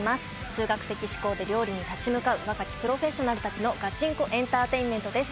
数学的思考で料理に立ち向かう若きプロフェッショナルたちのガチンコエンターテインメントです。